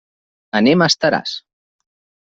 Anem a Estaràs.